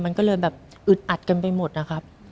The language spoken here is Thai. มันก็เลยแบบอึดอัดกันไปหมดนะครับ